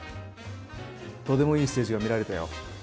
とてもいいステージが見られたよ。